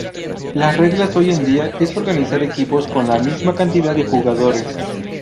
Las reglas hoy en día es organizar equipos con la misma cantidad de jugadores.